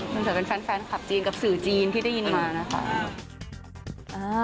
มันเกิดเป็นแฟนคลับจีนกับสื่อจีนที่ได้ยินมานะคะ